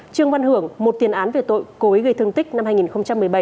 trương văn hưởng một tiền án về tội cố ý gây thương tích năm hai nghìn một mươi bảy